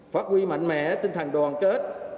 phát huy mạnh mẽ tinh thần đoàn kết